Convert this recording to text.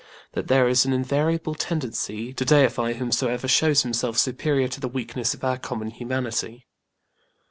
that there is an invariable tendency to deify whomsoever shows himself superior to the weakness of our common humanity.